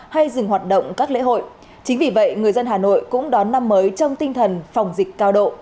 hay dừng hoạt động các lễ hội chính vì vậy người dân hà nội cũng đón năm mới trong tinh thần phòng dịch cao độ